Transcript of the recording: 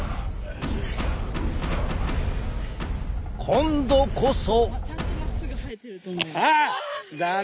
今度こそ！